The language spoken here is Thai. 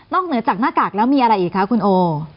เหนือจากหน้ากากแล้วมีอะไรอีกคะคุณโอ